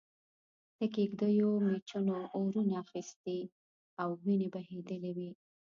د کېږدیو مېچنو اورونه اخستي او وينې بهېدلې وې.